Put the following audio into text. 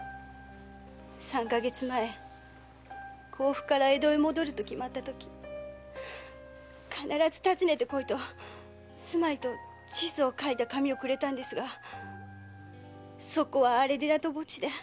三か月前甲府から江戸へ戻ると決まったとき「必ず訪ねてこい」と住まいと地図を書いてくれたのですがそこは荒れ寺と墓地で。